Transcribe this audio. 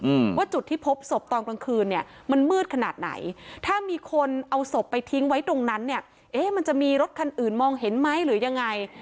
อืมว่าจุดที่พบศพตอนกลางคืนเนี้ยมันมืดขนาดไหนถ้ามีคนเอาศพไปทิ้งไว้ตรงนั้นเนี่ยเอ๊ะมันจะมีรถคันอื่นมองเห็นไหมหรือยังไง